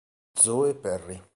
Zoe Perry